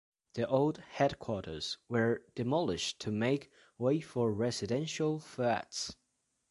The old headquarters were demolished to make way for residential flats.